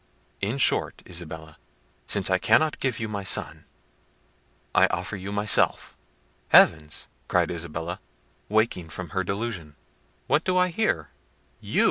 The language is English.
In short, Isabella, since I cannot give you my son, I offer you myself." "Heavens!" cried Isabella, waking from her delusion, "what do I hear? You!